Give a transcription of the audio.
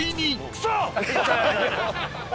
クソ！